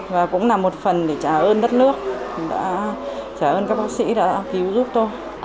và cũng là một phần để trả ơn đất nước trả ơn các bác sĩ đã cứu giúp tôi